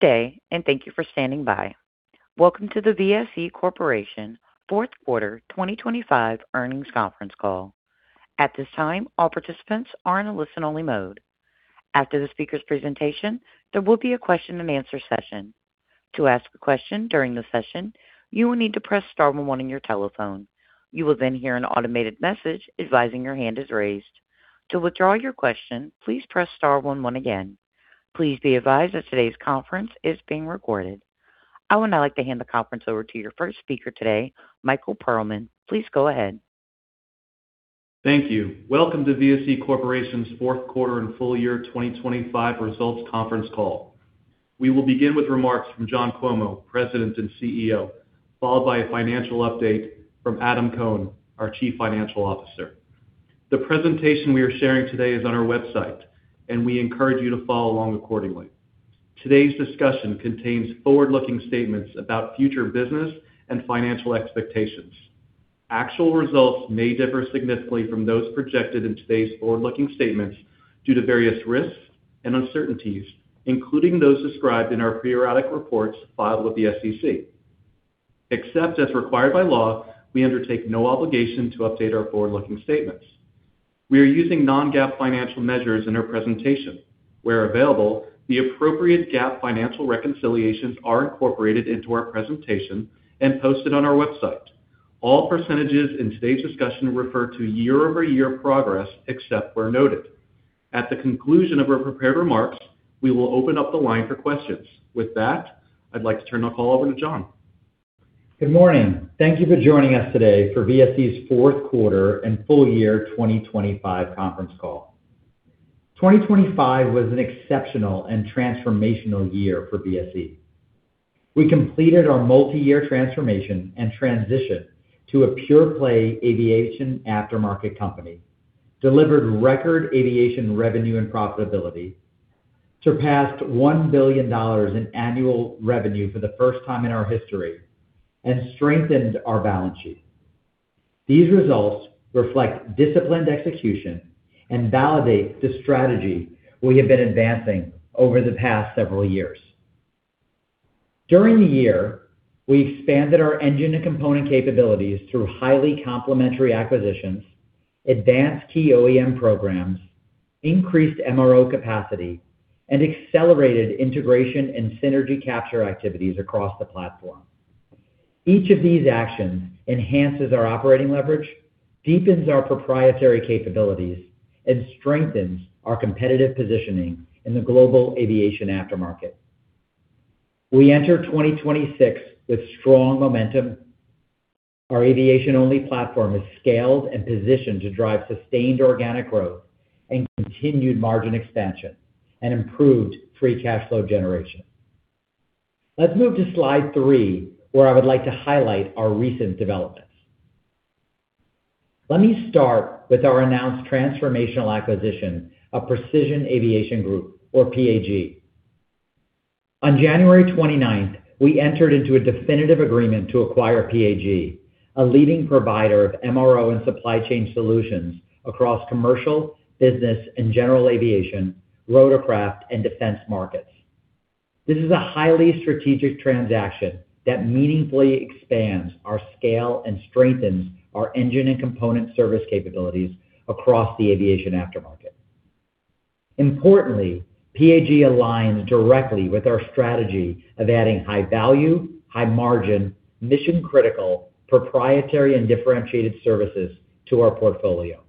Good day. Thank you for standing by. Welcome to the VSE Corporation Fourth Quarter 2025 Earnings Conference Call. At this time, all participants are in a listen-only mode. After the speaker's presentation, there will be a question-and-answer session. To ask a question during the session, you will need to press star one one on your telephone. You will hear an automated message advising your hand is raised. To withdraw your question, please press star one one again. Please be advised that today's conference is being recorded. I would now like to hand the conference over to your first speaker today, Michael Perlman. Please go ahead. Thank you. Welcome to VSE Corporation's fourth quarter and full year 2025 results conference call. We will begin with remarks from John Cuomo, President and CEO, followed by a financial update from Adam Cohn, our Chief Financial Officer. The presentation we are sharing today is on our website, and we encourage you to follow along accordingly. Today's discussion contains forward-looking statements about future business and financial expectations. Actual results may differ significantly from those projected in today's forward-looking statements due to various risks and uncertainties, including those described in our periodic reports filed with the SEC. Except as required by law, we undertake no obligation to update our forward-looking statements. We are using non-GAAP financial measures in our presentation. Where available, the appropriate GAAP financial reconciliations are incorporated into our presentation and posted on our website. All percentages in today's discussion refer to year-over-year progress, except where noted. At the conclusion of our prepared remarks, we will open up the line for questions. With that, I'd like to turn the call over to John. Good morning. Thank you for joining us today for VSE's fourth quarter and full year 2025 conference call. 2025 was an exceptional and transformational year for VSE. We completed our multiyear transformation and transition to a pure-play aviation aftermarket company, delivered record aviation revenue and profitability, surpassed $1 billion in annual revenue for the first time in our history, and strengthened our balance sheet. These results reflect disciplined execution and validate the strategy we have been advancing over the past several years. During the year, we expanded our engine and component capabilities through highly complementary acquisitions, advanced key OEM programs, increased MRO capacity, and accelerated integration and synergy capture activities across the platform. Each of these actions enhances our operating leverage, deepens our proprietary capabilities, and strengthens our competitive positioning in the global aviation aftermarket. We enter 2026 with strong momentum. Our aviation-only platform is scaled and positioned to drive sustained organic growth and continued margin expansion and improved free cash flow generation. Let's move to slide three, where I would like to highlight our recent developments. Let me start with our announced transformational acquisition of Precision Aviation Group, or PAG. On January 29th, we entered into a definitive agreement to acquire PAG, a leading provider of MRO and supply chain solutions across commercial, business, and general aviation, rotorcraft, and defense markets. This is a highly strategic transaction that meaningfully expands our scale and strengthens our engine and component service capabilities across the aviation aftermarket. Importantly, PAG aligns directly with our strategy of adding high value, high margin, mission-critical, proprietary, and differentiated services to our portfolio.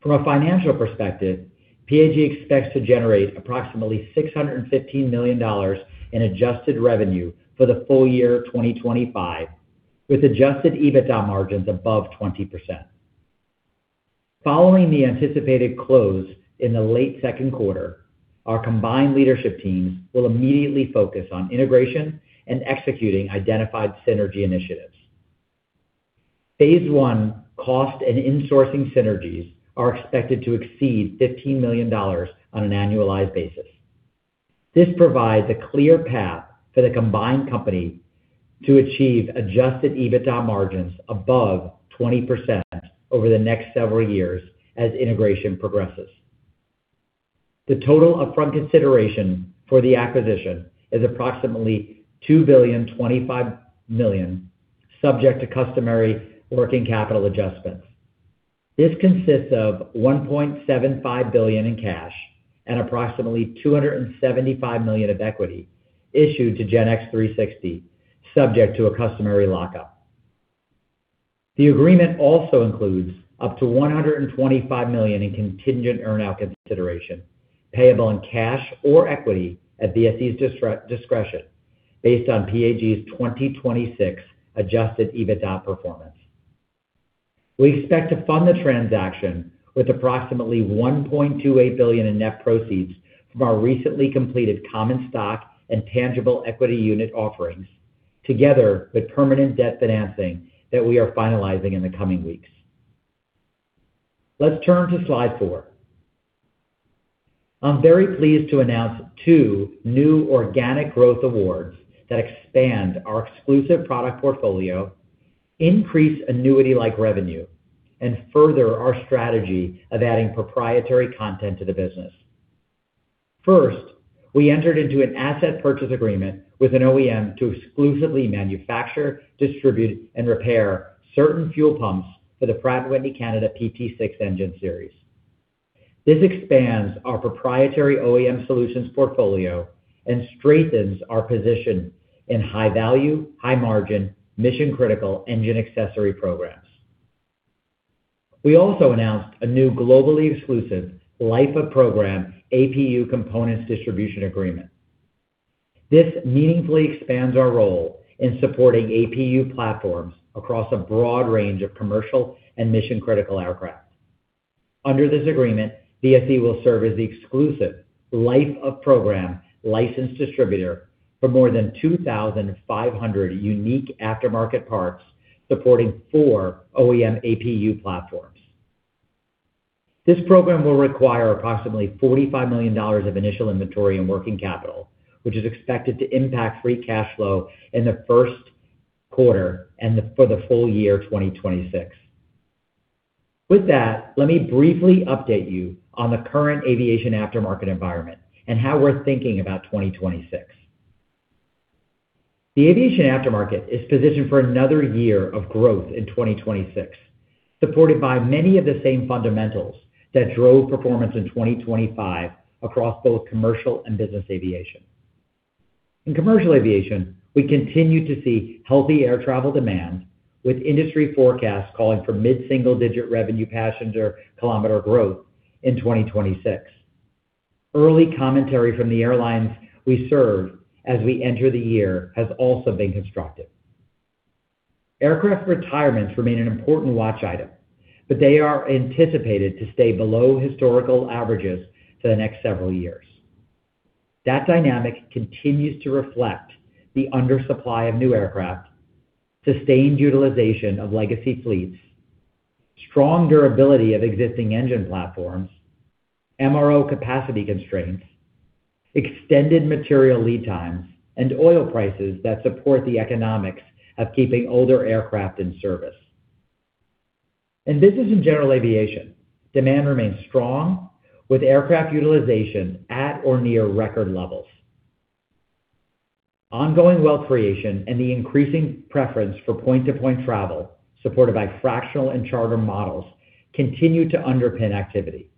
From a financial perspective, PAG expects to generate approximately $615 million in adjusted revenue for the full year 2025, with Adjusted EBITDA margins above 20%. Following the anticipated close in the late second quarter, our combined leadership teams will immediately focus on integration and executing identified synergy initiatives. Phase one cost and insourcing synergies are expected to exceed $15 million on an annualized basis. This provides a clear path for the combined company to achieve Adjusted EBITDA margins above 20% over the next several years as integration progresses. The total upfront consideration for the acquisition is approximately $2.025 billion, subject to customary working capital adjustments. This consists of $1.75 billion in cash and approximately $275 million of equity issued to GenNx360, subject to a customary lockup. The agreement also includes up to $125 million in contingent earn out consideration, payable in cash or equity at VSE's discretion, based on PAG's 2026 Adjusted EBITDA performance. We expect to fund the transaction with approximately $1.28 billion in net proceeds from our recently completed common stock and Tangible Equity Unit offerings, together with permanent debt financing that we are finalizing in the coming weeks. Let's turn to slide four. I'm very pleased to announce two new organic growth awards that expand our exclusive product portfolio, increase annuity-like revenue, and further our strategy of adding proprietary content to the business. First, we entered into an asset purchase agreement with an OEM to exclusively manufacture, distribute, and repair certain fuel pumps for the Pratt & Whitney Canada PT6 engine series. This expands our proprietary OEM solutions portfolio and strengthens our position in high-value, high-margin, mission-critical engine accessory programs. We also announced a new globally exclusive life-of-program APU components distribution agreement. This meaningfully expands our role in supporting APU platforms across a broad range of commercial and mission-critical aircraft. Under this agreement, VSE will serve as the exclusive life-of-program licensed distributor for more than 2,500 unique aftermarket parts, supporting four OEM APU platforms. This program will require approximately $45 million of initial inventory and working capital, which is expected to impact free cash flow in the first quarter for the full year 2026. With that, let me briefly update you on the current aviation aftermarket environment and how we're thinking about 2026. The aviation aftermarket is positioned for another year of growth in 2026, supported by many of the same fundamentals that drove performance in 2025 across both commercial and business aviation. In commercial aviation, we continue to see healthy air travel demand, with industry forecasts calling for mid-single-digit Revenue Passenger Kilometer growth in 2026. Early commentary from the airlines we serve as we enter the year has also been constructive. Aircraft retirements remain an important watch item, but they are anticipated to stay below historical averages for the next several years. That dynamic continues to reflect the undersupply of new aircraft, sustained utilization of legacy fleets, strong durability of existing engine platforms, MRO capacity constraints, extended material lead times, and oil prices that support the economics of keeping older aircraft in service. In business and general aviation, demand remains strong, with aircraft utilization at or near record levels. Ongoing wealth creation and the increasing preference for point-to-point travel, supported by fractional and charter models, continue to underpin activity.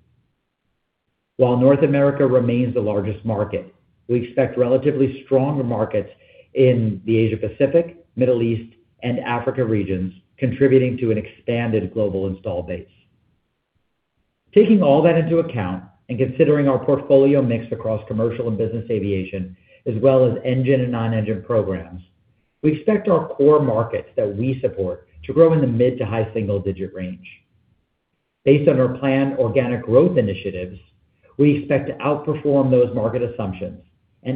While North America remains the largest market, we expect relatively stronger markets in the Asia Pacific, Middle East, and Africa regions, contributing to an expanded global installed base. Taking all that into account and considering our portfolio mix across commercial and business aviation, as well as engine and non-engine programs, we expect our core markets that we support to grow in the mid to high single-digit range. Based on our planned organic growth initiatives, we expect to outperform those market assumptions,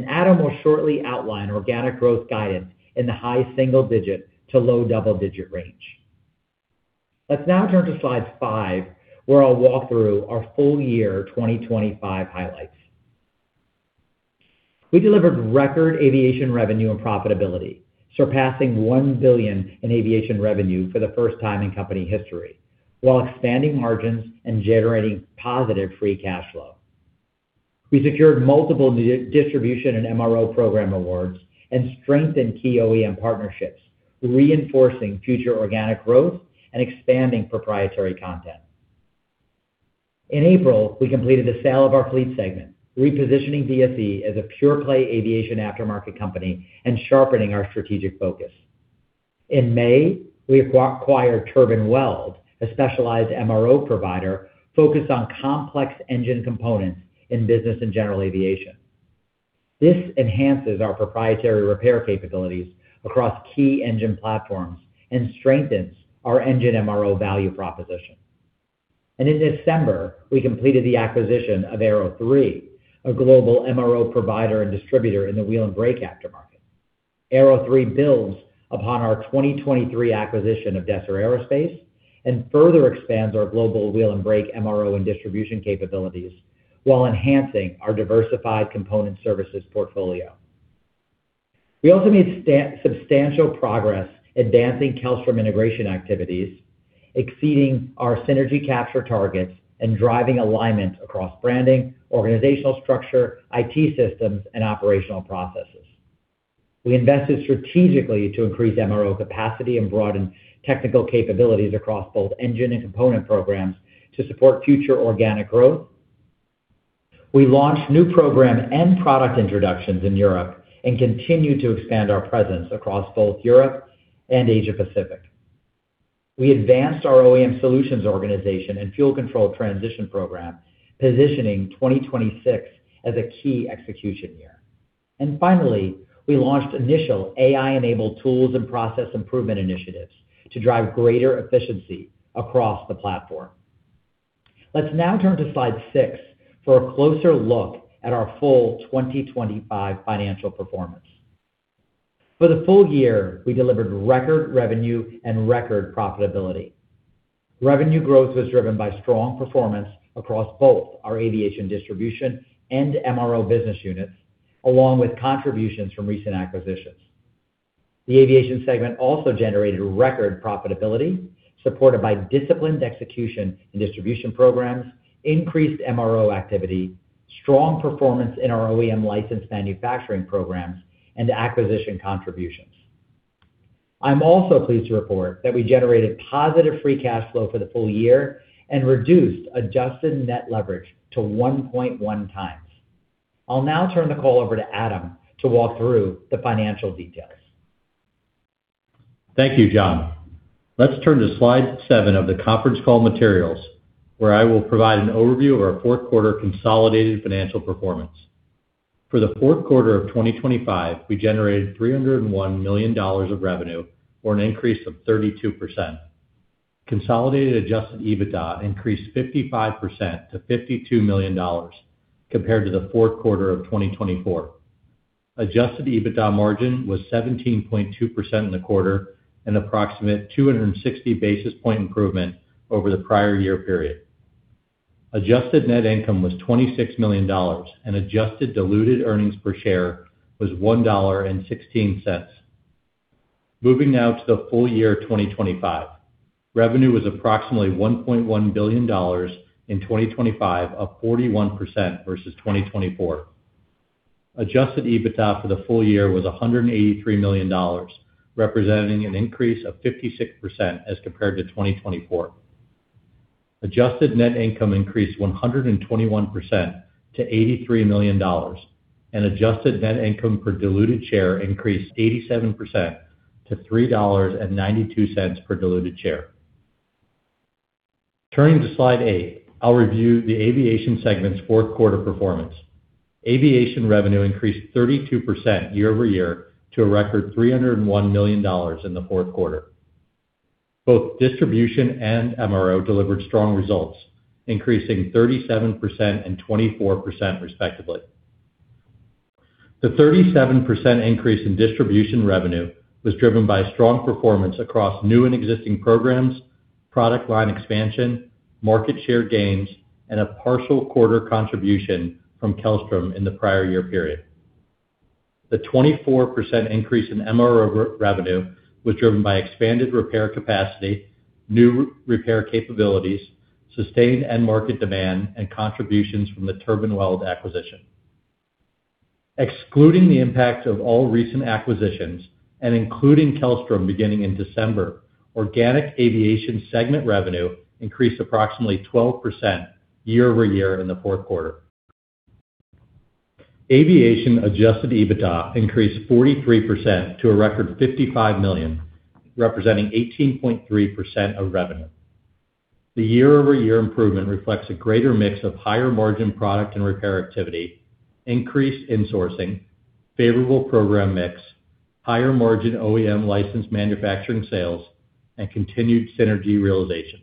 Adam will shortly outline organic growth guidance in the high single-digit to low double-digit range. Let's now turn to slide five, where I'll walk through our full year 2025 highlights. We delivered record aviation revenue and profitability, surpassing $1 billion in aviation revenue for the first time in company history, while expanding margins and generating positive free cash flow. We secured multiple distribution and MRO program awards and strengthened key OEM partnerships, reinforcing future organic growth and expanding proprietary content. In April, we completed the sale of our fleet segment, repositioning VSE as a pure-play aviation aftermarket company and sharpening our strategic focus. In May, we acquired Turbine Weld, a specialized MRO provider focused on complex engine components in business and general aviation. This enhances our proprietary repair capabilities across key engine platforms and strengthens our engine MRO value proposition. In December, we completed the acquisition of Aero3, a global MRO provider and distributor in the wheel and brake aftermarket. Aero3 builds upon our 2023 acquisition of Desser Aerospace and further expands our global wheel and brake, MRO, and distribution capabilities while enhancing our diversified component services portfolio. We also made substantial progress advancing Kellstrom integration activities, exceeding our synergy capture targets, and driving alignment across branding, organizational structure, IT systems, and operational processes. We invested strategically to increase MRO capacity and broaden technical capabilities across both engine and component programs to support future organic growth. We launched new program and product introductions in Europe, and continued to expand our presence across both Europe and Asia Pacific. We advanced our OEM solutions organization and fuel control transition program, positioning 2026 as a key execution year. Finally, we launched initial AI-enabled tools and process improvement initiatives to drive greater efficiency across the platform. Let's now turn to slide six for a closer look at our full 2025 financial performance. For the full year, we delivered record revenue and record profitability. Revenue growth was driven by strong performance across both our aviation distribution and MRO business units, along with contributions from recent acquisitions. The aviation segment also generated record profitability, supported by disciplined execution in distribution programs, increased MRO activity, strong performance in our OEM licensed manufacturing programs, and acquisition contributions. I'm also pleased to report that we generated positive free cash flow for the full year and reduced adjusted net leverage to 1.1x. I'll now turn the call over to Adam to walk through the financial details. Thank you, John. Let's turn to slide seven of the conference call materials, where I will provide an overview of our fourth quarter consolidated financial performance. For the fourth quarter of 2025, we generated $301 million of revenue, or an increase of 32%. Consolidated Adjusted EBITDA increased 55% to $52 million compared to the fourth quarter of 2024. Adjusted EBITDA margin was 17.2% in the quarter, an approximate 260 basis point improvement over the prior year period. Adjusted net income was $26 million, and adjusted diluted earnings per share was $1.16. Moving now to the full year of 2025. Revenue was approximately $1.1 billion in 2025, up 41% versus 2024. Adjusted EBITDA for the full year was $183 million, representing an increase of 56% as compared to 2024. Adjusted net income increased 121% to $83 million. Adjusted net income per diluted share increased 87% to $3.92 per diluted share. Turning to slide eight, I'll review the aviation segment's fourth quarter performance. Aviation revenue increased 32% year-over-year to a record $301 million in the fourth quarter. Both distribution and MRO delivered strong results, increasing 37% and 24% respectively. The 37% increase in distribution revenue was driven by strong performance across new and existing programs, product line expansion, market share gains, and a partial quarter contribution from Kellstrom in the prior year period. The 24% increase in MRO revenue was driven by expanded repair capacity, new repair capabilities, sustained end market demand, and contributions from the Turbine Weld acquisition. Excluding the impact of all recent acquisitions, and including Kellstrom beginning in December, organic aviation segment revenue increased approximately 12% year-over-year in the fourth quarter. Aviation adjusted EBITDA increased 43% to a record $55 million, representing 18.3% of revenue. The year-over-year improvement reflects a greater mix of higher margin product and repair activity, increased insourcing, favorable program mix, higher margin OEM licensed manufacturing sales, and continued synergy realization.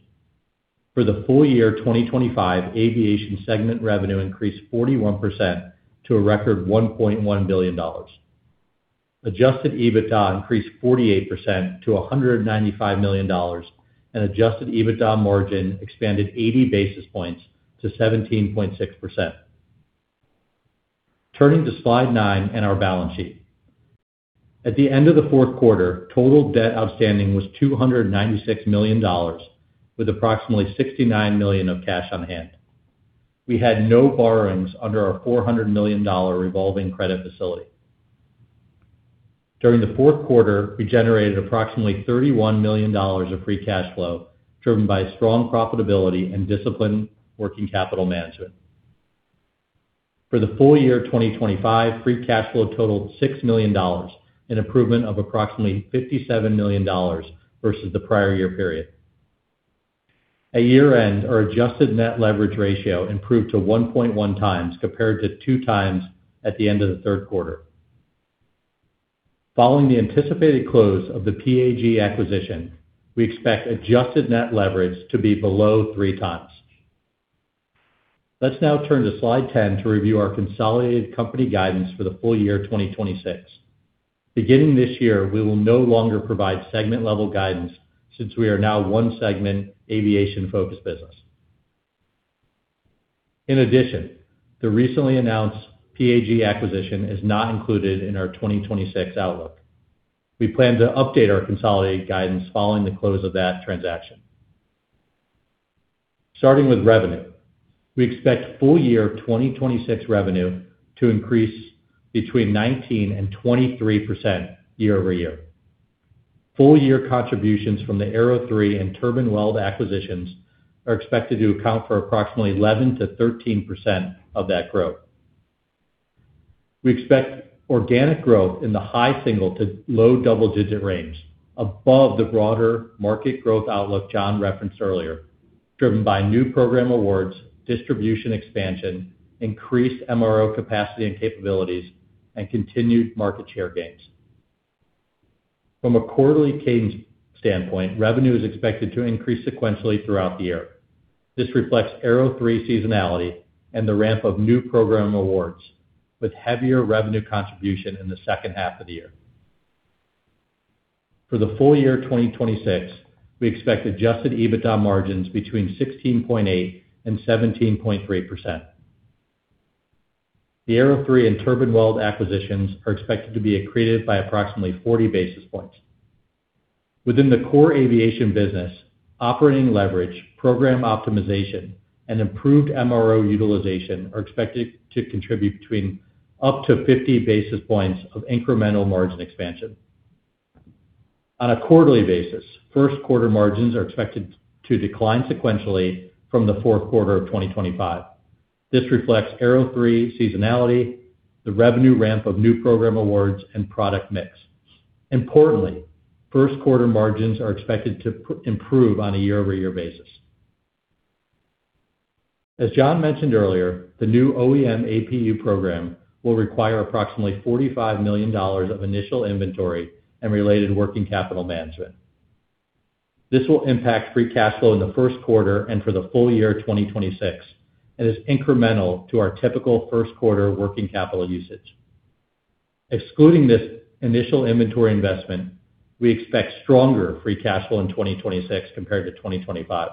For the full year 2025, aviation segment revenue increased 41% to a record $1.1 billion. Adjusted EBITDA increased 48% to $195 million, and Adjusted EBITDA margin expanded 80 basis points to 17.6%. Turning to slide nine and our balance sheet. At the end of the fourth quarter, total debt outstanding was $296 million, with approximately $69 million of cash on hand. We had no borrowings under our $400 million revolving credit facility. During the fourth quarter, we generated approximately $31 million of free cash flow, driven by strong profitability and disciplined working capital management. For the full year 2025, free cash flow totaled $6 million, an improvement of approximately $57 million versus the prior year period. At year-end, our adjusted net leverage ratio improved to 1.1x, compared to 2x at the end of the third quarter. Following the anticipated close of the PAG acquisition, we expect adjusted net leverage to be below 3x. Let's now turn to slide 10 to review our consolidated company guidance for the full year 2026. Beginning this year, we will no longer provide segment-level guidance, since we are now one segment, aviation-focused business. In addition, the recently announced PAG acquisition is not included in our 2026 outlook. We plan to update our consolidated guidance following the close of that transaction. Starting with revenue, we expect full year 2026 revenue to increase between 19% and 23% year-over-year. Full-year contributions from the Aero 3 and Turbine Weld acquisitions are expected to account for approximately 11%-13% of that growth. We expect organic growth in the high single to low double-digit range, above the broader market growth outlook John referenced earlier, driven by new program awards, distribution expansion, increased MRO capacity and capabilities, and continued market share gains. From a quarterly cadence standpoint, revenue is expected to increase sequentially throughout the year. This reflects Aero 3 seasonality and the ramp of new program awards, with heavier revenue contribution in the second half of the year. For the full year 2026, we expect Adjusted EBITDA margins between 16.8% and 17.3%. The Aero 3 and Turbine Weld acquisitions are expected to be accreted by approximately 40 basis points. Within the core aviation business, operating leverage, program optimization, and improved MRO utilization are expected to contribute between up to 50 basis points of incremental margin expansion. On a quarterly basis, first quarter margins are expected to decline sequentially from the fourth quarter of 2025. This reflects Aero 3 seasonality, the revenue ramp of new program awards, and product mix. Importantly, first quarter margins are expected to improve on a year-over-year basis. As John mentioned earlier, the new OEM APU program will require approximately $45 million of initial inventory and related working capital management. This will impact free cash flow in the first quarter and for the full year 2026, and is incremental to our typical first quarter working capital usage. Excluding this initial inventory investment, we expect stronger free cash flow in 2026 compared to 2025.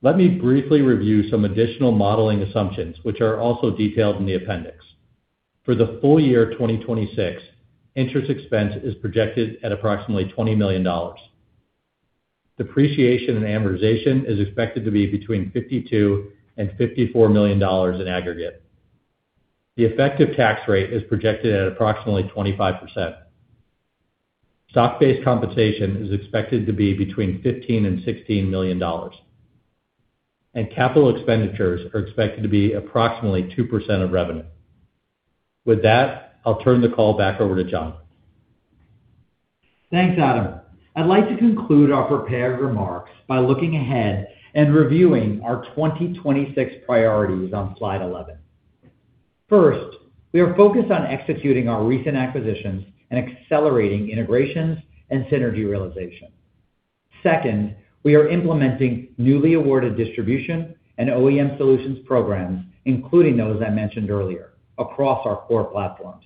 Let me briefly review some additional modeling assumptions, which are also detailed in the appendix. For the full year 2026, interest expense is projected at approximately $20 million. Depreciation and amortization is expected to be between $52 million and $54 million in aggregate. The effective tax rate is projected at approximately 25%. Stock-based compensation is expected to be between $15 million and $16 million, and capital expenditures are expected to be approximately 2% of revenue. With that, I'll turn the call back over to John. Thanks, Adam. I'd like to conclude our prepared remarks by looking ahead and reviewing our 2026 priorities on slide 11. First, we are focused on executing our recent acquisitions and accelerating integrations and synergy realization. Second, we are implementing newly awarded distribution and OEM solutions programs, including those I mentioned earlier, across our core platforms.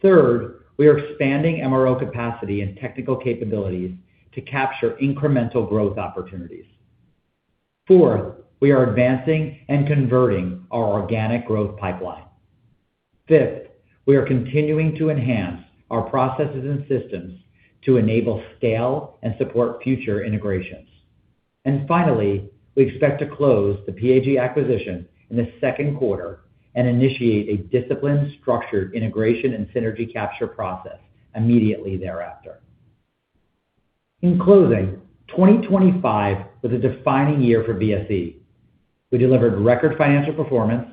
Third, we are expanding MRO capacity and technical capabilities to capture incremental growth opportunities. Fourth, we are advancing and converting our organic growth pipeline. Fifth, we are continuing to enhance our processes and systems to enable scale and support future integrations. Finally, we expect to close the PAG acquisition in the second quarter and initiate a disciplined, structured integration and synergy capture process immediately thereafter. In closing, 2025 was a defining year for VSE. We delivered record financial performance,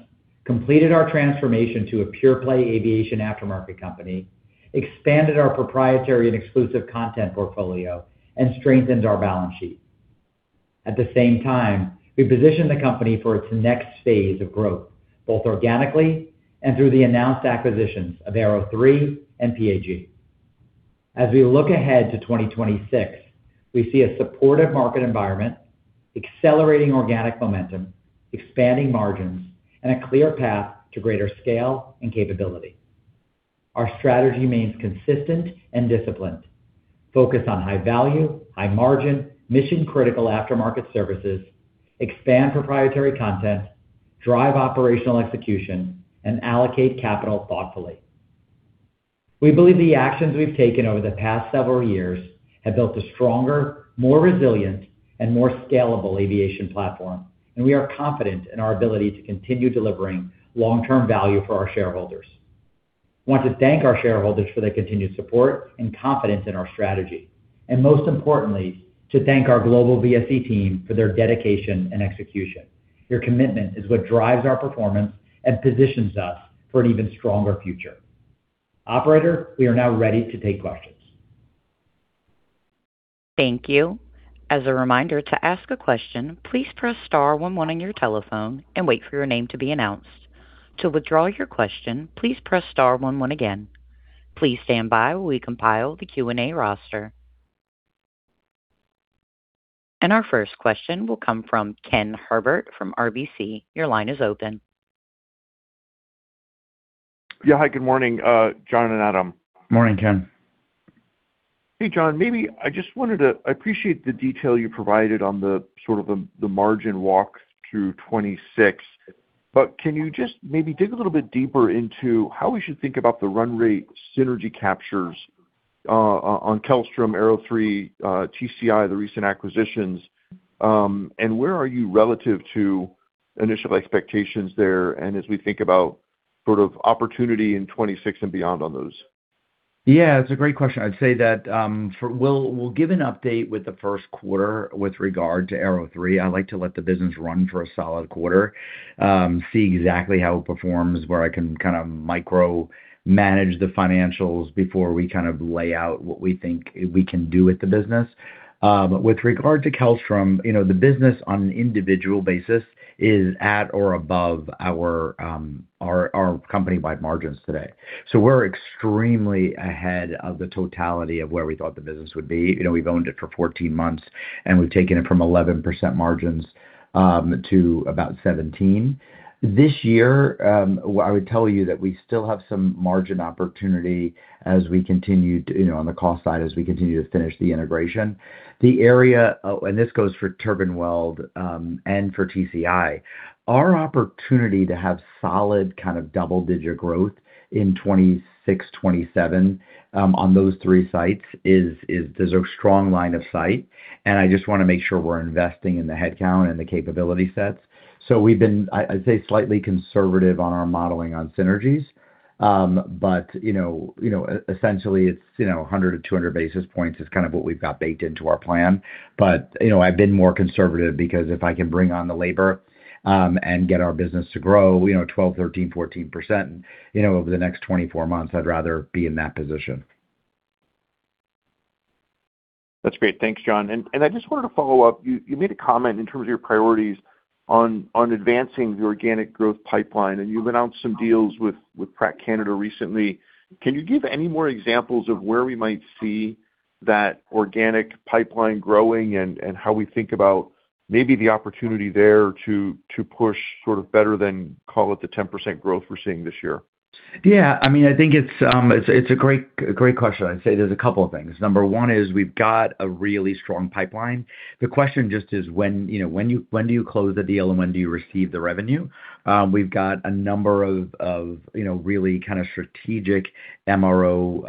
completed our transformation to a pure-play aviation aftermarket company, expanded our proprietary and exclusive content portfolio, and strengthened our balance sheet. At the same time, we positioned the company for its next phase of growth, both organically and through the announced acquisitions of Aero 3 and PAG. As we look ahead to 2026, we see a supportive market environment, accelerating organic momentum, expanding margins, and a clear path to greater scale and capability. Our strategy remains consistent and disciplined: focus on high value, high margin, mission-critical aftermarket services, expand proprietary content, drive operational execution, and allocate capital thoughtfully. We believe the actions we've taken over the past several years have built a stronger, more resilient, and more scalable aviation platform, and we are confident in our ability to continue delivering long-term value for our shareholders. I want to thank our shareholders for their continued support and confidence in our strategy, and most importantly, to thank our global VSE team for their dedication and execution. Your commitment is what drives our performance and positions us for an even stronger future. Operator, we are now ready to take questions. Thank you. As a reminder, to ask a question, please press star one one on your telephone and wait for your name to be announced. To withdraw your question, please press star one one again. Please stand by while we compile the Q&A roster. Our first question will come from Kenneth Herbert from RBC. Your line is open. Yeah. Hi, good morning, John and Adam. Morning, Ken. Hey, John, maybe I appreciate the detail you provided on the, sort of the margin walk through 2026, can you just maybe dig a little bit deeper into how we should think about the run rate synergy captures on Kellstrom, Aero 3, TCI, the recent acquisitions, and where are you relative to initial expectations there, and as we think about sort of opportunity in 2026 and beyond on those? Yeah, it's a great question. I'd say that we'll give an update with the first quarter with regard to Aero 3. I like to let the business run for a solid quarter, see exactly how it performs, where I can kind of micromanage the financials before we kind of lay out what we think we can do with the business. With regard to Kellstrom, you know, the business on an individual basis is at or above our company-wide margins today. We're extremely ahead of the totality of where we thought the business would be. You know, we've owned it for 14 months, and we've taken it from 11% margins to about 17%. This year, what I would tell you that we still have some margin opportunity as we continue to, you know, on the cost side, as we continue to finish the integration. This goes for Turbine Weld and for TCI. Our opportunity to have solid kind of double-digit growth in 2026, 2027, on those three sites is there's a strong line of sight, and I just wanna make sure we're investing in the headcount and the capability sets. We've been, I'd say, slightly conservative on our modeling on synergies.... but, you know, you know, essentially, it's, you know, 100 basis points-200 basis points is kind of what we've got baked into our plan. You know, I've been more conservative, because if I can bring on the labor, and get our business to grow, you know, 12%, 13%, 14%, you know, over the next 24 months, I'd rather be in that position. That's great. Thanks, John. I just wanted to follow up. You made a comment in terms of your priorities on advancing the organic growth pipeline, and you've announced some deals with Pratt Canada recently. Can you give any more examples of where we might see that organic pipeline growing, and how we think about maybe the opportunity there to push sort of better than, call it, the 10% growth we're seeing this year? Yeah. I mean, I think it's a great question. I'd say there's a couple of things. Number one is we've got a really strong pipeline. The question just is when, you know, when do you close the deal and when do you receive the revenue? We've got a number of, you know, really kind of strategic MRO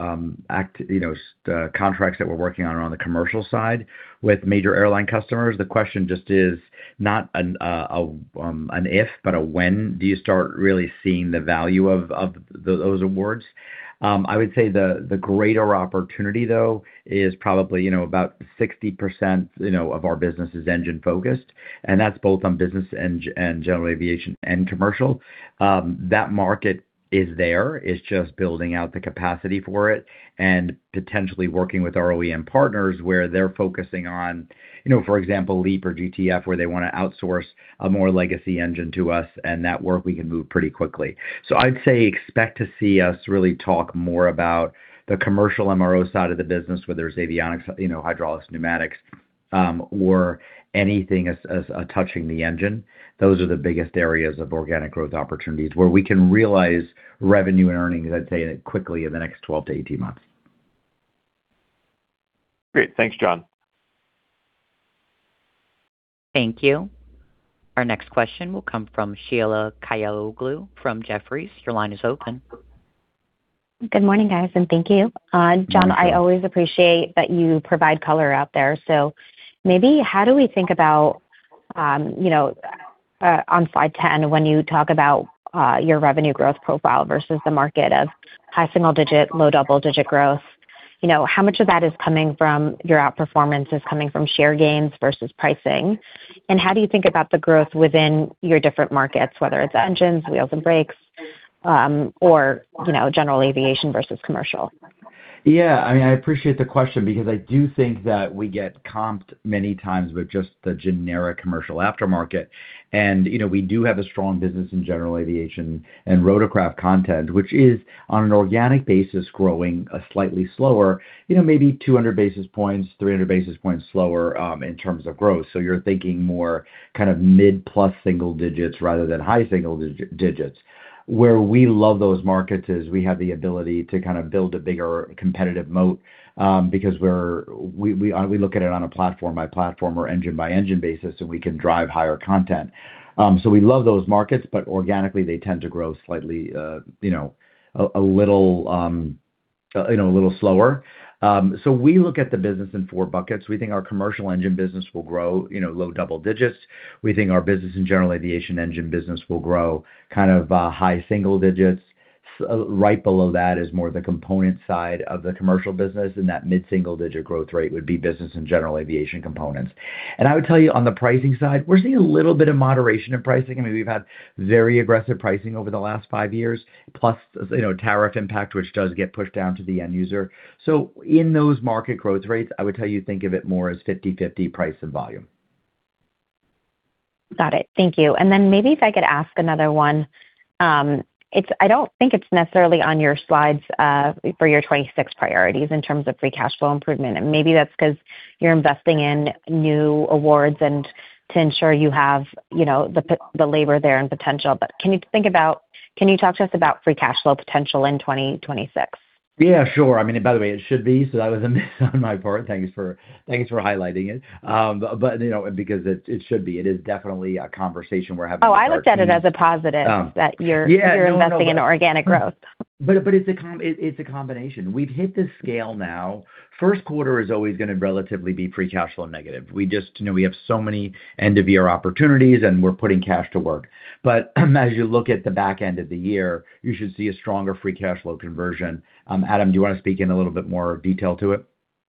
contracts that we're working on the commercial side with major airline customers. The question just is not an if, but a when do you start really seeing the value of those awards? I would say the greater opportunity, though, is probably, you know, about 60%, you know, of our business is engine focused, and that's both on business and general aviation and commercial. That market is there. It's just building out the capacity for it and potentially working with our OEM partners, where they're focusing on, you know, for example, LEAP or GTF, where they wanna outsource a more legacy engine to us, and that work we can move pretty quickly. I'd say expect to see us really talk more about the commercial MRO side of the business, whether it's avionics, you know, hydraulics, pneumatics, or anything as touching the engine. Those are the biggest areas of organic growth opportunities, where we can realize revenue and earnings, I'd say, quickly in the next 12 months-18 months. Great. Thanks, John. Thank you. Our next question will come from Sheila Kahyaoglu from Jefferies. Your line is open. Good morning, guys, and thank you. Good morning. John, I always appreciate that you provide color out there, so maybe how do we think about, you know, on slide 10, when you talk about, your revenue growth profile versus the market of high single digit, low double digit growth, you know, how much of that is coming from your outperformance, is coming from share gains versus pricing? How do you think about the growth within your different markets, whether it's engines, wheels and brakes, or, you know, general aviation versus commercial? I mean, I appreciate the question because I do think that we get comped many times with just the generic commercial aftermarket. You know, we do have a strong business in general aviation and rotorcraft content, which is, on an organic basis, growing a slightly slower, you know, maybe 200 basis points, 300 basis points slower in terms of growth. You're thinking more kind of mid-plus single digits rather than high single digits. Where we love those markets is we have the ability to kind of build a bigger competitive moat because we look at it on a platform by platform or engine by engine basis, so we can drive higher content. We love those markets, but organically, they tend to grow slightly, you know, a little, you know, a little slower. We look at the business in four buckets. We think our commercial engine business will grow, you know, low double-digits. We think our business and general aviation engine business will grow kind of, high single-digits. Right below that is more the component side of the commercial business, that mid-single-digit growth rate would be business and general aviation components. I would tell you, on the pricing side, we're seeing a little bit of moderation in pricing. I mean, we've had very aggressive pricing over the last five years, plus, you know, tariff impact, which does get pushed down to the end user. In those market growth rates, I would tell you, think of it more as 50/50 price and volume. Got it. Thank you. Maybe if I could ask another one. I don't think it's necessarily on your slides, for your 26 priorities in terms of free cash flow improvement, and maybe that's 'cause you're investing in new awards and to ensure you have, you know, the labor there and potential. Can you talk to us about free cash flow potential in 2026? Yeah, sure. I mean, by the way, it should be, so that was a miss on my part. Thanks for highlighting it. You know, because it should be. It is definitely a conversation we're having. Oh, I look at it as a positive- Yeah. that you're investing in organic growth. It's a combination. We've hit the scale now. First quarter is always gonna relatively be free cash flow negative. We just, you know, we have so many end-of-year opportunities, and we're putting cash to work. As you look at the back end of the year, you should see a stronger free cash flow conversion. Adam, do you wanna speak in a little bit more detail to it?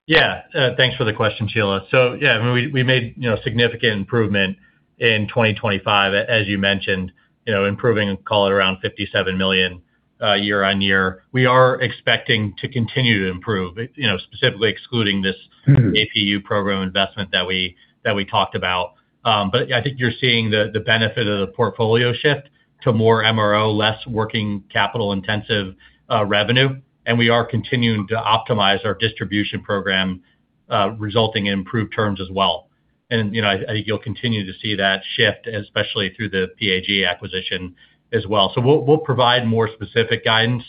Yeah. Thanks for the question, Sheila. yeah, I mean, we made, you know, significant improvement in 2025, as you mentioned, you know, improving, call it around $57 million, year-on-year. We are expecting to continue to improve, you know, specifically excluding this- Mm-hmm. APU program investment that we talked about. I think you're seeing the benefit of the portfolio shift to more MRO, less working capital-intensive revenue, and we are continuing to optimize our distribution program, resulting in improved terms as well. You know, I think you'll continue to see that shift, especially through the PAG acquisition as well. We'll provide more specific guidance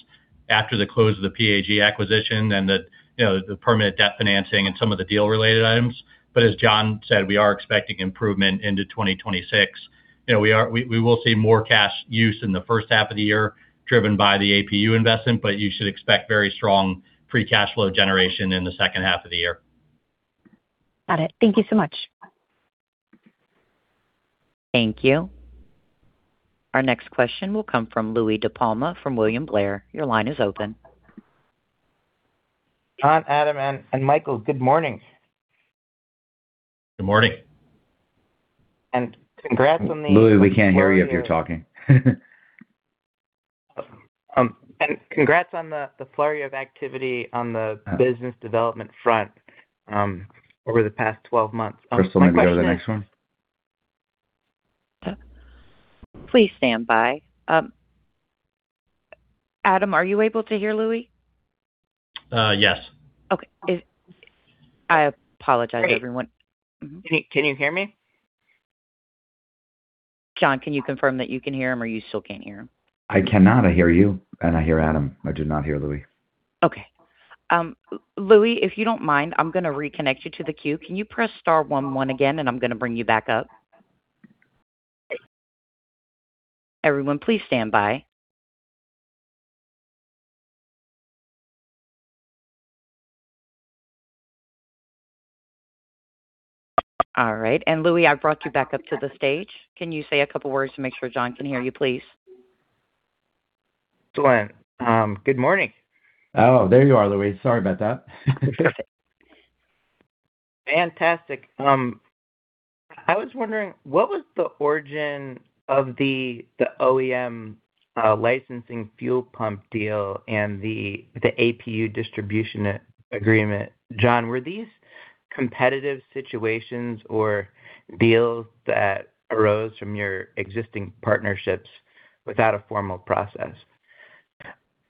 after the close of the PAG acquisition and you know, the permanent debt financing and some of the deal-related items. As John said, we are expecting improvement into 2026. You know, we will see more cash use in the first half of the year, driven by the APU investment, you should expect very strong free cash flow generation in the second half of the year. Got it. Thank you so much. Thank you. Our next question will come from Louie DiPalma from William Blair. Your line is open. John, Adam, and Michael, good morning. Good morning. congrats on. Louis, we can't hear you if you're talking. Congrats on the flurry of activity on the business development front, over the past 12 months. Chris, you want to go to the next one? Please stand by. Adam, are you able to hear Louie? Yes. Okay. I apologize, everyone. Can you hear me? John, can you confirm that you can hear him, or you still can't hear him? I cannot. I hear you, and I hear Adam. I do not hear Louie. Okay. Louie, if you don't mind, I'm gonna reconnect you to the queue. Can you press star one one again, and I'm gonna bring you back up? Everyone, please stand by. All right, Louie, I've brought you back up to the stage. Can you say a couple words to make sure John can hear you, please? Sure. good morning. Oh, there you are, Louie. Sorry about that. Fantastic. I was wondering, what was the origin of the OEM licensing fuel pump deal and the APU distribution agreement? John, were these competitive situations or deals that arose from your existing partnerships without a formal process?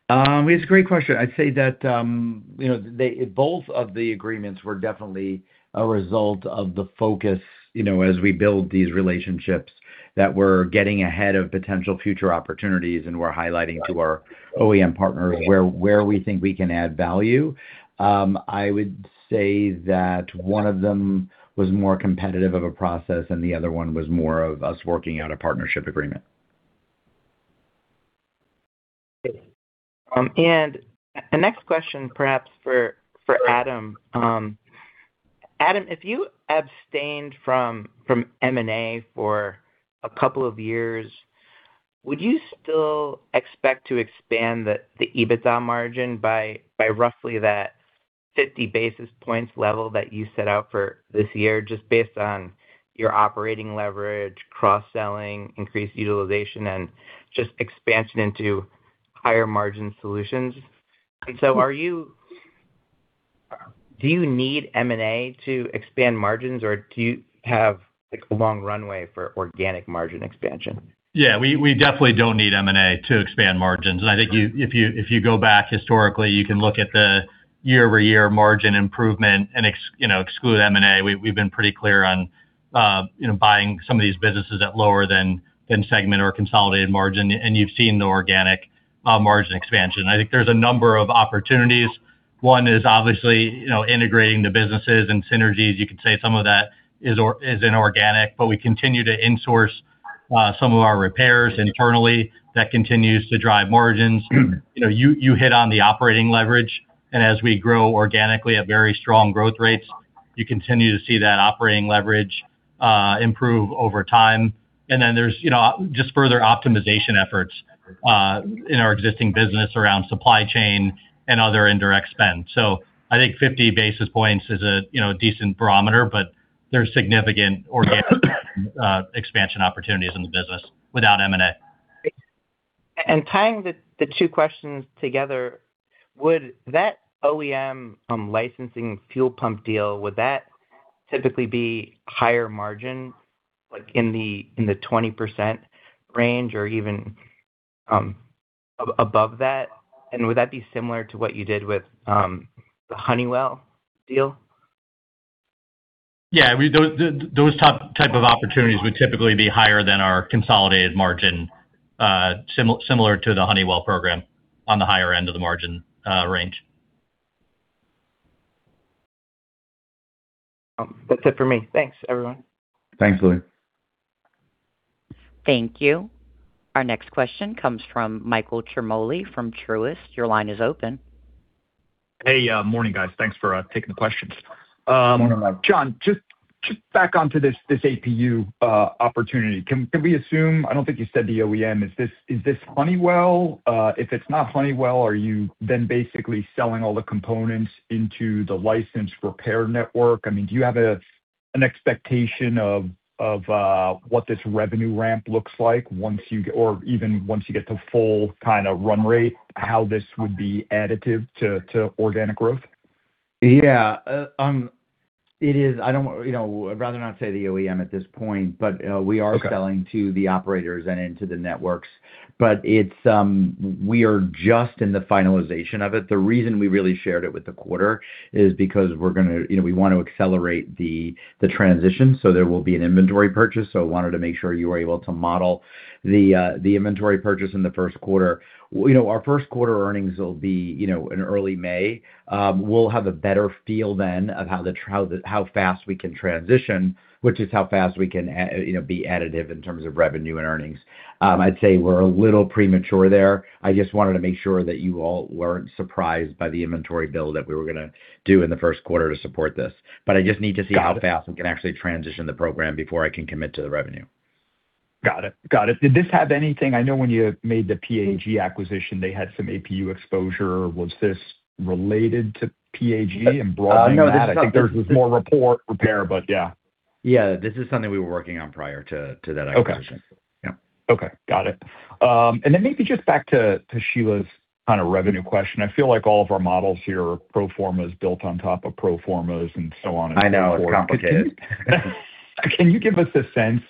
It's a great question. I'd say that, you know, both of the agreements were definitely a result of the focus, you know, as we build these relationships, that we're getting ahead of potential future opportunities, and we're highlighting to our OEM partners where we think we can add value. I would say that one of them was more competitive of a process, and the other one was more of us working out a partnership agreement. The next question, perhaps for Adam. Adam, if you abstained from M&A for a couple of years, would you still expect to expand the EBITDA margin by roughly that 50 basis points level that you set out for this year, just based on your operating leverage, cross-selling, increased utilization, and just expansion into higher margin solutions? Do you need M&A to expand margins, or do you have, like, a long runway for organic margin expansion? Yeah, we definitely don't need M&A to expand margins. I think you, if you, if you go back historically, you can look at the year-over-year margin improvement and exclude, you know, M&A. We, we've been pretty clear on, you know, buying some of these businesses at lower than segment or consolidated margin, and you've seen the organic margin expansion. I think there's a number of opportunities. One is obviously, you know, integrating the businesses and synergies. You could say some of that is or is inorganic, but we continue to insource some of our repairs internally. That continues to drive margins. You know, you hit on the operating leverage, and as we grow organically at very strong growth rates, you continue to see that operating leverage improve over time. There's, you know, just further optimization efforts in our existing business around supply chain and other indirect spend. I think 50 basis points is a, you know, decent barometer, but there's significant organic expansion opportunities in the business without M&A. Tying the two questions together, would that OEM licensing fuel pump deal, would that typically be higher margin, like in the 20% range or even above that? Would that be similar to what you did with the Honeywell deal? Yeah, I mean, those type of opportunities would typically be higher than our consolidated margin, similar to the Honeywell program on the higher end of the margin range. That's it for me. Thanks, everyone. Thanks, Louie. Thank you. Our next question comes from Michael Ciarmoli, from Truist. Your line is open. Hey, morning, guys. Thanks for taking the questions. Morning. John, just back onto this APU opportunity. Can we assume... I don't think you said the OEM. Is this Honeywell? If it's not Honeywell, are you then basically selling all the components into the licensed repair network? I mean, do you have an expectation of what this revenue ramp looks like once you or even once you get to full kind of run rate, how this would be additive to organic growth? Yeah. I don't, you know, I'd rather not say the OEM at this point, but. Okay. we are selling to the operators and into the networks, but it's, we are just in the finalization of it. The reason we really shared it with the quarter is because we're gonna, you know, we want to accelerate the transition, so there will be an inventory purchase, so I wanted to make sure you were able to model the inventory purchase in the first quarter. You know, our first quarter earnings will be, you know, in early May. We'll have a better feel then of how the, how fast we can transition, which is how fast we can, you know, be additive in terms of revenue and earnings. I'd say we're a little premature there. I just wanted to make sure that you all weren't surprised by the inventory build that we were gonna do in the first quarter to support this. I just need to see how fast we can actually transition the program before I can commit to the revenue. Got it. Got it. Did this have anything? I know when you made the PAG acquisition, they had some APU exposure. Was this related to PAG and broadening that? I think there was more report repair, but yeah. Yeah, this is something we were working on prior to that acquisition. Okay. Yeah. Okay, got it. Then maybe just back to Sheila's kind of revenue question. I feel like all of our models here are pro formas built on top of pro formas and so on and so forth. I know, it's complicated. Can you give us a sense,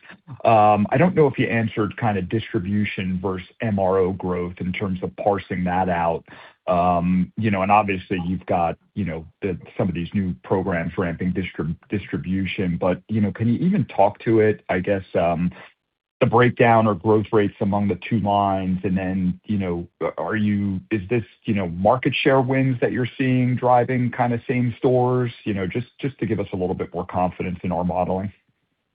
I don't know if you answered kind of distribution versus MRO growth in terms of parsing that out? You know, obviously, you've got, you know, the, some of these new programs ramping distribution, you know, can you even talk to it, I guess, the breakdown or growth rates among the two lines, and then, you know, is this, you know, market share wins that you're seeing driving kind of same stores? Just to give us a little bit more confidence in our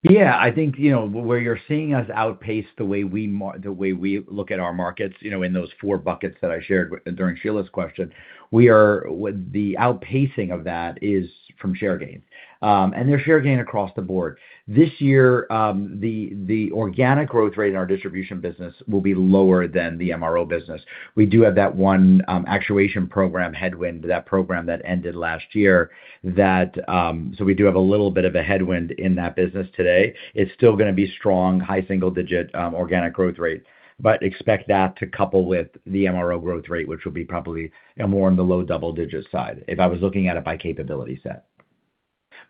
modeling. Yeah, I think, you know, where you're seeing us outpace the way we look at our markets, you know, in those four buckets that I shared during Sheila's question, we are. With the outpacing of that is from share gains. They're share gain across the board. This year, the organic growth rate in our distribution business will be lower than the MRO business. We do have that one actuation program headwind, that program that ended last year, so we do have a little bit of a headwind in that business today. It's still gonna be strong, high single-digit organic growth rate, but expect that to couple with the MRO growth rate, which will be probably more on the low double-digit side, if I was looking at it by capability set.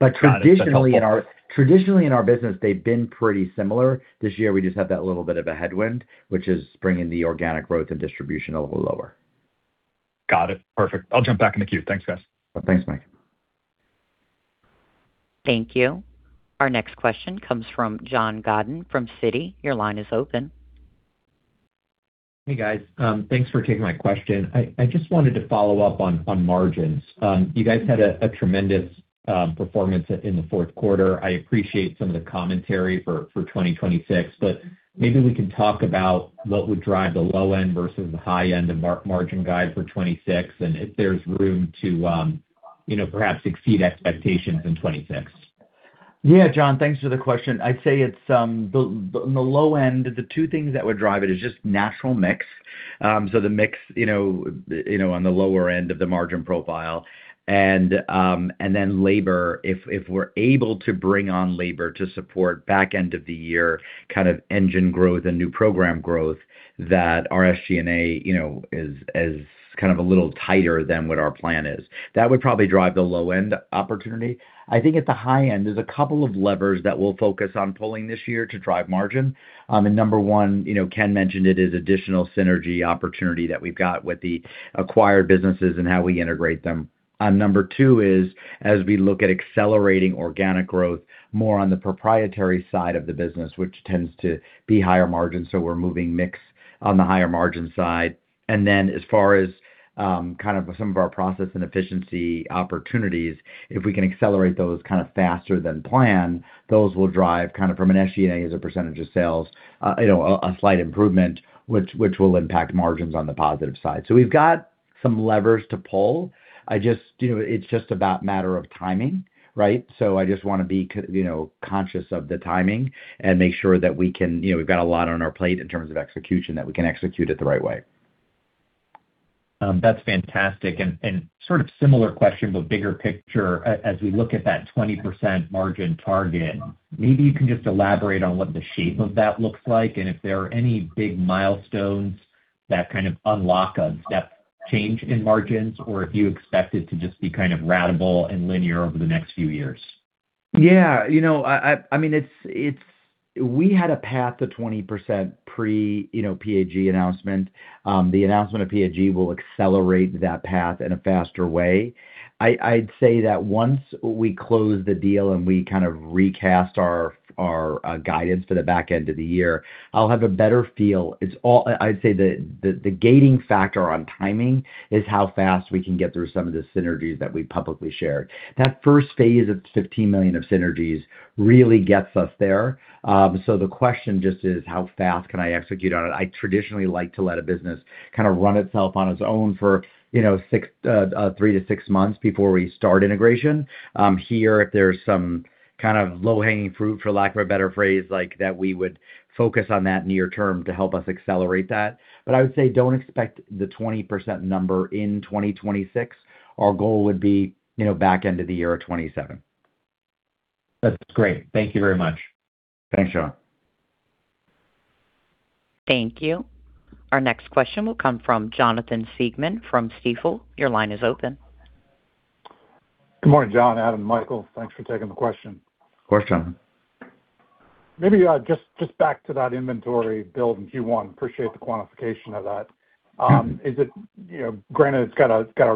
Got it. That's helpful. Traditionally, in our business, they've been pretty similar. This year, we just have that little bit of a headwind, which is bringing the organic growth and distribution a little lower. Got it. Perfect. I'll jump back in the queue. Thanks, guys. Thanks, Mike. Thank you. Our next question comes from John Godyn from Citi. Your line is open. Hey, guys. Thanks for taking my question. I just wanted to follow up on margins. You guys had a tremendous performance in the fourth quarter. I appreciate some of the commentary for 2026, but maybe we can talk about what would drive the low end versus the high end of margin guide for 2026, and if there's room to, you know, perhaps exceed expectations in 2026. Yeah, John, thanks for the question. I'd say it's on the low end, the two things that would drive it is just natural mix. The mix, you know, you know, on the lower end of the margin profile, and then labor. If we're able to bring on labor to support back end of the year, kind of engine growth and new program growth, that our SG&A, you know, is kind of a little tighter than what our plan is. That would probably drive the low-end opportunity. I think at the high end, there's a couple of levers that we'll focus on pulling this year to drive margin. Number one, you know, Ken mentioned it, is additional synergy opportunity that we've got with the acquired businesses and how we integrate them. number two is, as we look at accelerating organic growth, more on the proprietary side of the business, which tends to be higher margin, so we're moving mix on the higher margin side. As far as, kind of some of our process and efficiency opportunities, if we can accelerate those kind of faster than planned, those will drive, kind of from an SG&A, as a % of sales, you know, a slight improvement, which will impact margins on the positive side. We've got some levers to pull. I just, you know, it's just about matter of timing, right? I just wanna be conscious of the timing and make sure that we can. You know, we've got a lot on our plate in terms of execution, that we can execute it the right way. That's fantastic. Sort of similar question, but bigger picture, as we look at that 20% margin target, maybe you can just elaborate on what the shape of that looks like, and if there are any big milestones that kind of unlock a step change in margins, or if you expect it to just be kind of ratable and linear over the next few years. You know, I mean, it's we had a path to 20% pre, you know, PAG announcement. The announcement of PAG will accelerate that path in a faster way. I'd say that once we close the deal and we kind of recast our guidance for the back end of the year, I'll have a better feel. I'd say the gating factor on timing is how fast we can get through some of the synergies that we publicly shared. That first phase of $15 million of synergies really gets us there. The question just is, how fast can I execute on it? I traditionally like to let a business kind of run itself on its own for, you know, six, three to six months before we start integration. Here, if there's some kind of low-hanging fruit, for lack of a better phrase, like, that we would focus on that near term to help us accelerate that. I would say, don't expect the 20% number in 2026. Our goal would be, you know, back end of the year of 2027. That's great. Thank you very much. Thanks, John. Thank you. Our next question will come from Jonathan Siegmann from Stifel. Your line is open. Good morning, John, Adam, Michael, thanks for taking the question. Of course, Jonathan. Maybe, just back to that inventory build in Q1. Appreciate the quantification of that. Is it, you know, granted, it's got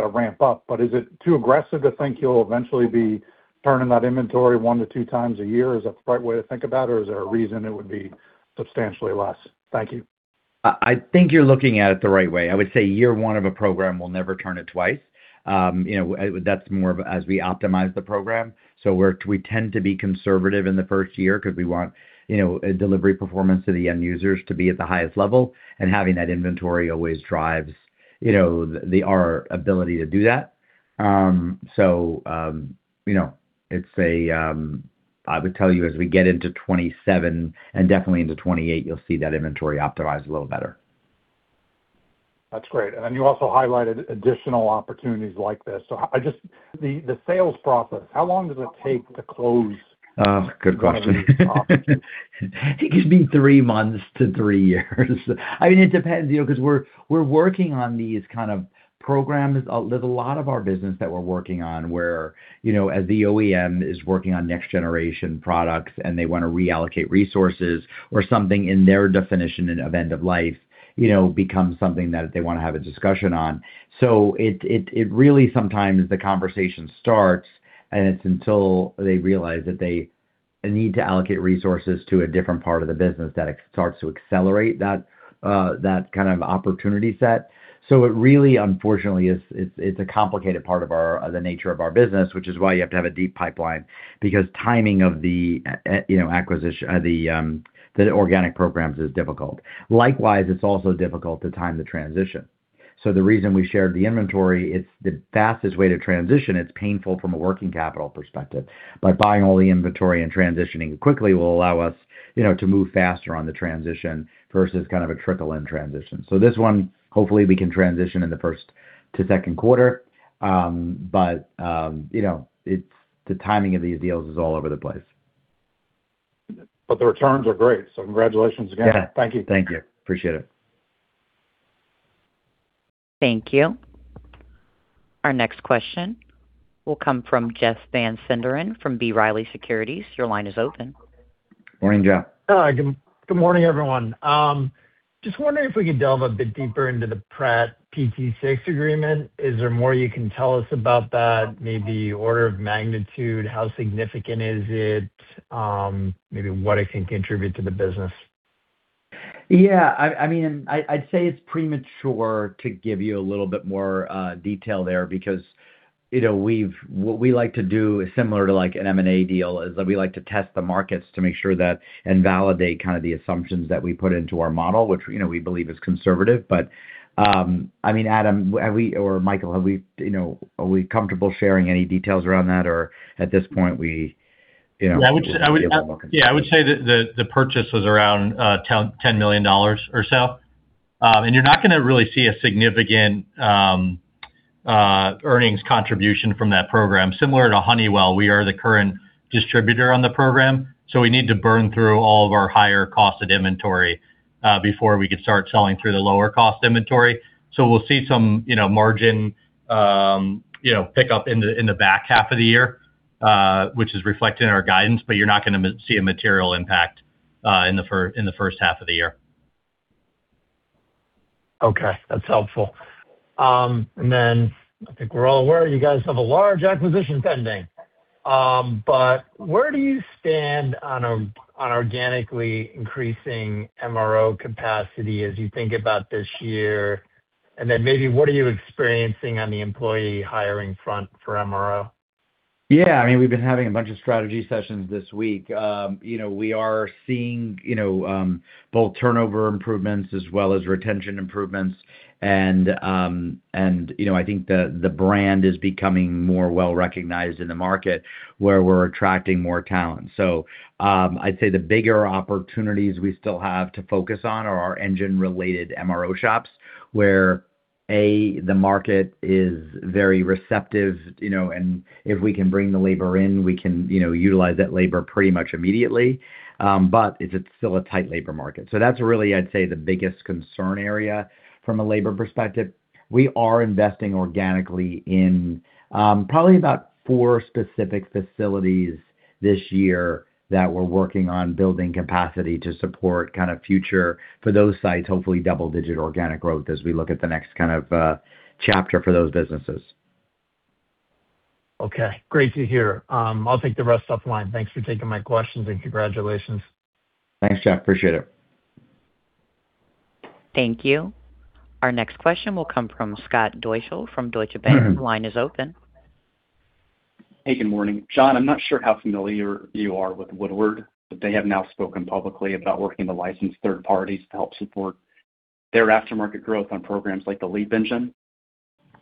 to ramp up, but is it too aggressive to think you'll eventually be turning that inventory 1x-2x a year? Is that the right way to think about it, or is there a reason it would be substantially less? Thank you. I think you're looking at it the right way. I would say year one of a program will never turn it twice. You know, that's more of as we optimize the program. We tend to be conservative in the first year because we want, you know, a delivery performance to the end users to be at the highest level, and having that inventory always drives, you know, the, our ability to do that. You know, it's a, I would tell you as we get into 2027 and definitely into 2028, you'll see that inventory optimize a little better. That's great. You also highlighted additional opportunities like this. The sales process, how long does it take to close? Oh, good question. It could be three months to three years. I mean, it depends, you know, 'cause we're working on these kind of programs. There's a lot of our business that we're working on where, you know, as the OEM is working on next generation products, and they wanna reallocate resources or something in their definition of end of life, you know, becomes something that they wanna have a discussion on. It really sometimes the conversation starts, and it's until they realize that they need to allocate resources to a different part of the business that it starts to accelerate that kind of opportunity set. It really, unfortunately, it's a complicated part of our, of the nature of our business, which is why you have to have a deep pipeline, because timing of the, you know, acquisition, or the organic programs is difficult. Likewise, it's also difficult to time the transition. The reason we shared the inventory, it's the fastest way to transition. It's painful from a working capital perspective, but buying all the inventory and transitioning quickly will allow us, you know, to move faster on the transition versus kind of a trickle-in transition. This one, hopefully, we can transition in the first to second quarter. But, you know, it's the timing of these deals is all over the place. The returns are great, so congratulations again. Yeah. Thank you. Thank you. Appreciate it. Thank you. Our next question will come from Jeff Van Sinderen from B. Riley Securities. Your line is open. Morning, Jeff. Hi, good morning, everyone. Just wondering if we could delve a bit deeper into the Pratt PT6 agreement? Is there more you can tell us about that? Maybe order of magnitude, how significant is it, maybe what it can contribute to the business? Yeah, I mean, I'd say it's premature to give you a little bit more detail there because, you know, what we like to do, similar to like an M&A deal, is that we like to test the markets to make sure that, and validate kind of the assumptions that we put into our model, which, you know, we believe is conservative. I mean, Adam, Or Michael, have we, you know, are we comfortable sharing any details around that, or at this point, we, you know, feel more comfortable? Yeah, I would say that the purchase was around $10 million or so. You're not gonna really see a significant earnings contribution from that program. Similar to Honeywell, we are the current distributor on the program, we need to burn through all of our higher cost of inventory before we could start selling through the lower cost inventory. We'll see some, you know, margin, you know, pick up in the back half of the year, which is reflected in our guidance, you're not gonna see a material impact in the first half of the year. Okay, that's helpful. I think we're all aware you guys have a large acquisition pending. Where do you stand on organically increasing MRO capacity as you think about this year? Maybe what are you experiencing on the employee hiring front for MRO? Yeah, I mean, we've been having a bunch of strategy sessions this week. you know, we are seeing, you know, both turnover improvements as well as retention improvements. you know, I think the brand is becoming more well-recognized in the market, where we're attracting more talent. I'd say the bigger opportunities we still have to focus on are our engine-related MRO shops, where, A, the market is very receptive, you know, and if we can bring the labor in, we can, you know, utilize that labor pretty much immediately. It's still a tight labor market. That's really, I'd say, the biggest concern area from a labor perspective. We are investing organically in, probably about four specific facilities this year that we're working on building capacity to support kind of future for those sites, hopefully double-digit organic growth as we look at the next kind of, chapter for those businesses. Okay, great to hear. I'll take the rest offline. Thanks for taking my questions, and congratulations. Thanks, Jeff. Appreciate it. Thank you. Our next question will come from Scott Deuschle from Deutsche Bank. Your line is open. Hey, good morning. John, I'm not sure how familiar you are with Woodward, but they have now spoken publicly about working with licensed third parties to help support their aftermarket growth on programs like the LEAP engine.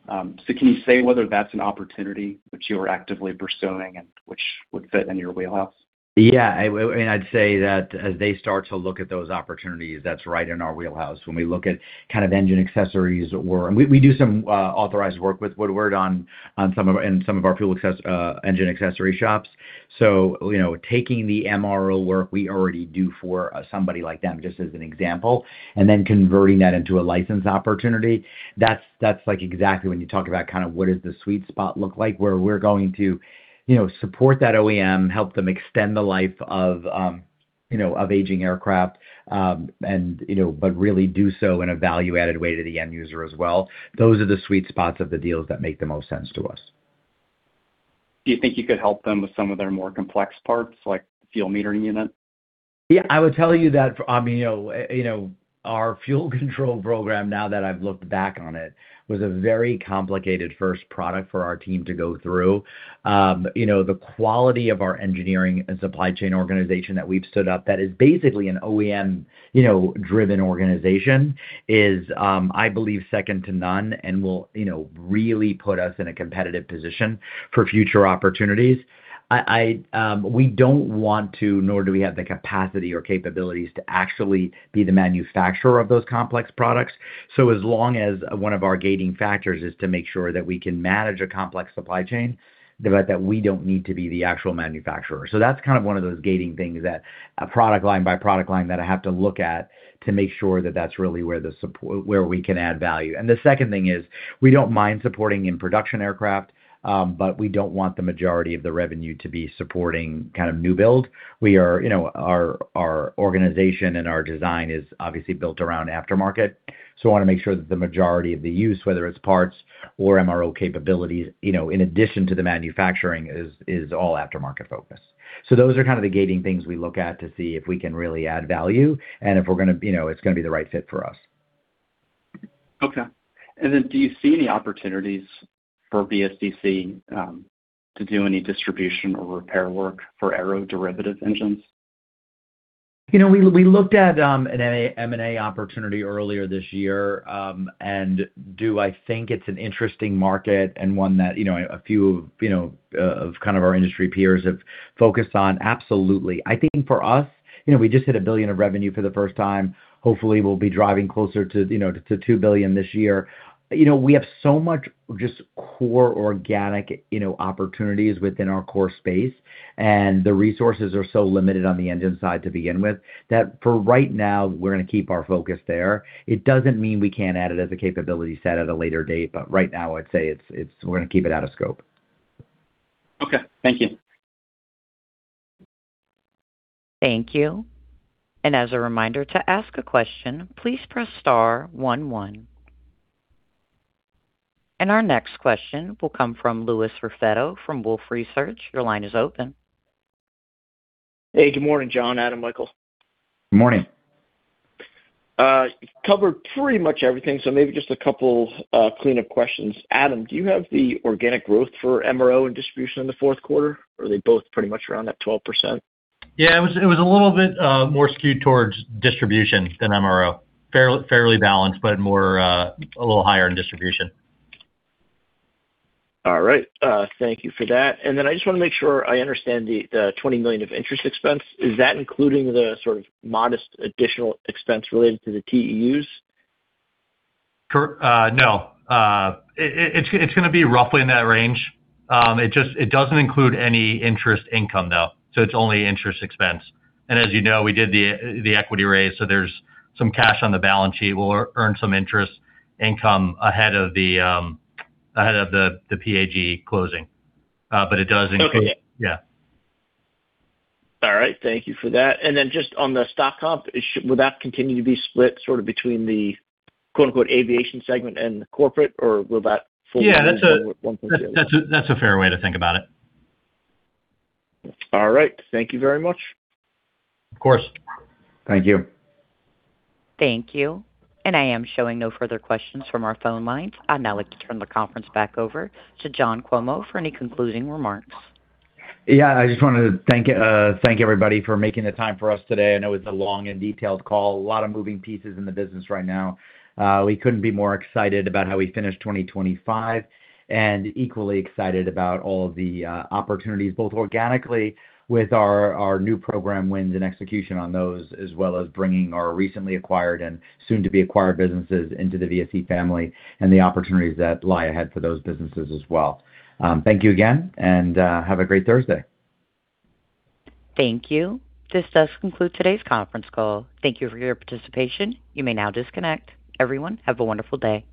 Can you say whether that's an opportunity which you are actively pursuing and which would fit in your wheelhouse? I mean, I'd say that as they start to look at those opportunities, that's right in our wheelhouse. When we look at kind of engine accessories. We do some authorized work with Woodward in some of our fuel access, engine accessory shops. You know, taking the MRO work we already do for somebody like them, just as an example, and then converting that into a licensed opportunity, that's like exactly when you talk about kind of what does the sweet spot look like, where we're going to, you know, support that OEM, help them extend the life of, you know, aging aircraft, and, you know, but really do so in a value-added way to the end user as well. Those are the sweet spots of the deals that make the most sense to us. Do you think you could help them with some of their more complex parts, like fuel metering units? Yeah, I would tell you that, I mean, you know, you know, our fuel control program, now that I've looked back on it, was a very complicated first product for our team to go through. You know, the quality of our engineering and supply chain organization that we've stood up, that is basically an OEM, you know, driven organization, is, I believe, second to none and will, you know, really put us in a competitive position for future opportunities. We don't want to, nor do we have the capacity or capabilities to actually be the manufacturer of those complex products. As long as one of our gating factors is to make sure that we can manage a complex supply chain, but that we don't need to be the actual manufacturer. That's kind of one of those gating things that product line by product line, that I have to look at to make sure that that's really where we can add value. The second thing is, we don't mind supporting in production aircraft, but we don't want the majority of the revenue to be supporting kind of new build. We are, you know, our organization and our design is obviously built around aftermarket, so I wanna make sure that the majority of the use, whether it's parts or MRO capabilities, you know, in addition to the manufacturing, is all aftermarket focused. Those are kind of the gating things we look at to see if we can really add value and if we're gonna, you know, it's gonna be the right fit for us. Okay. Then do you see any opportunities for VSE to do any distribution or repair work for aeroderivative engines? You know, we looked at an M&A opportunity earlier this year. Do I think it's an interesting market and one that, you know, a few, you know, of kind of our industry peers have focused on? Absolutely. I think for us, you know, we just hit $1 billion of revenue for the first time. Hopefully, we'll be driving closer to, you know, to $2 billion this year. You know, we have so much just core organic, you know, opportunities within our core space, and the resources are so limited on the engine side to begin with, that for right now, we're gonna keep our focus there. It doesn't mean we can't add it as a capability set at a later date, but right now, I'd say it's, we're gonna keep it out of scope. Okay. Thank you. Thank you. As a reminder, to ask a question, please press star one. Our next question will come from Louis Raffetto from Wolfe Research. Your line is open. Hey, good morning, John, Adam, Michael. Good morning. You've covered pretty much everything, maybe just a couple cleanup questions. Adam, do you have the organic growth for MRO and distribution in the fourth quarter, or are they both pretty much around that 12%? Yeah, it was a little bit more skewed towards distribution than MRO. Fairly balanced, but more a little higher in distribution. All right, thank you for that. I just wanna make sure I understand the $20 million of interest expense. Is that including the sort of modest additional expense related to the TEUs? No. It's gonna be roughly in that range. It doesn't include any interest income, though, it's only interest expense. As you know, we did the equity raise, there's some cash on the balance sheet. We'll earn some interest income ahead of the PAG closing. It does include. Okay. Yeah. All right, thank you for that. Just on the stock comp, will that continue to be split sort of between the, quote, unquote, "aviation segment and the corporate," or will that fall under one? Yeah, that's a fair way to think about it. All right, thank you very much. Of course. Thank you. Thank you. I am showing no further questions from our phone lines. I'd now like to turn the conference back over to John Cuomo for any concluding remarks. Yeah, I just wanted to thank everybody for making the time for us today. I know it's a long and detailed call. A lot of moving pieces in the business right now. We couldn't be more excited about how we finished 2025, and equally excited about all the opportunities, both organically with our new program wins and execution on those, as well as bringing our recently acquired and soon-to-be-acquired businesses into the VSE family, and the opportunities that lie ahead for those businesses as well. Thank you again, and have a great Thursday. Thank you. This does conclude today's conference call. Tha nk you for your participation. You may now disconnect. Everyone, have a wonderful day.